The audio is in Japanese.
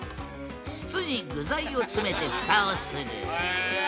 筒に具材を詰めてふたをするうわ！